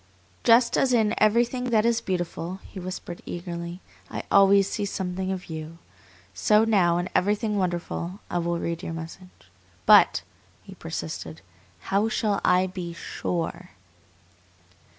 "Just as in everything that is beautiful," he whispered eagerly, "I always see something of you, so now in everything wonderful I will read your message. But," he persisted, "how shall I be SURE?"